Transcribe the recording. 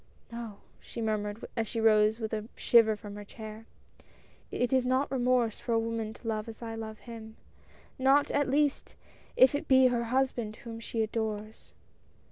" No," she murmured as she rose with a shiver from her chair, "it is not remorse for a woman to love as I love him — not at least if it be her husband whom she adores."